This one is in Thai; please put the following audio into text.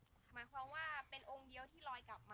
หมายความว่าเป็นองค์เดียวที่ลอยกลับมา